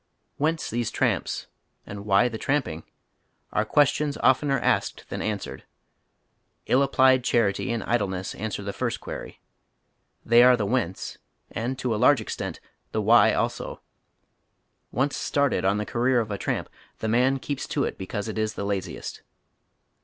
Whence these tramps, and why the tramping ? are questions oftener asked than answered. Ill applied char ity and idleness answer the first query. They are the whence, and to a large extent the why also. Once start ^vGoogle ^Google 80 HOW THE OTHEK HALF LIVES. ed on tiie career of a tramp, the man keeps to it because it is the laziest.